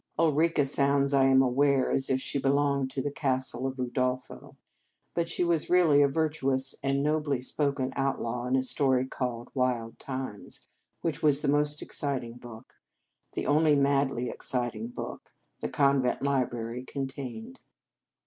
232 The Game of Love Ulrica sounds, I am aware, as if she belonged in the Castle of Udolpho; but she was really a virtuous and nobly spoken outlaw in a story called " Wild Times," which was the most exciting book the only madly ex citing book the convent library contained.